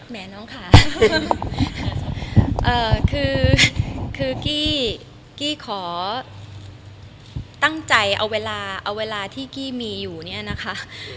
แม่น้องค่ะคือกี้กี้ขอตั้งใจเอาเวลาเอาเวลาที่กี้มีอยู่เนี่ยนะคะ